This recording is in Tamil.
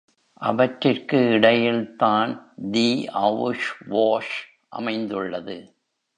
அவற்றிற்கு இடையில் தான் தி அவுஸ் வாஷ் அமைந்துள்ளது.